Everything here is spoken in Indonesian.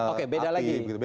oke beda lagi